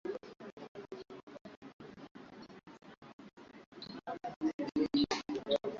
Kama nafikiri uzuri na maajabu ya Zanzibar yamekwisha basi nikwambie tu bado